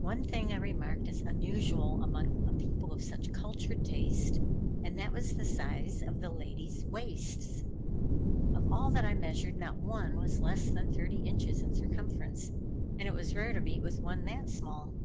One thing I remarked as unusual among a people of such cultured taste, and that was the size of the ladies' waists. Of all that I measured not one was less than thirty inches in circumference, and it was rare to meet with one that small.